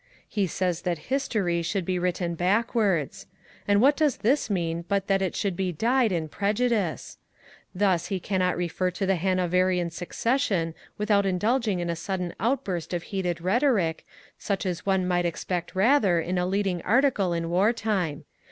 He says that history should be written backwards; and what does this mean but that it should be dyed in prejudice? thus, he cannot refer to the Hanoverian succession without indulging in a sudden outburst of heated rhetoric such as one might expect rather in a leading article in war time.